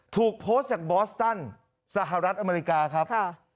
ถูกโพสต์จากบอสตันสหรัฐอเมริกาครับ